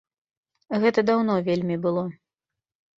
Гэта даўно вельмі было.